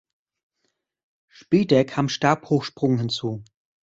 Später kam Stabhochsprung hinzu.